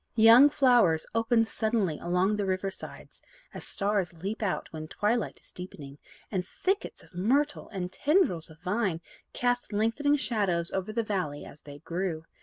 Young flowers opened suddenly along the river sides, as stars leap out when twilight is deepening, and thickets of myrtle, and tendrils of vine, cast lengthening shadows over the valley as they grew.